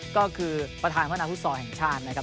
ก็คือประธานพนันธ์ฟุษศแห่งชาญนะครับ